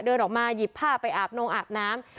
เดินออกมาหยิบผ้าไปอาบนงอาบน้ำ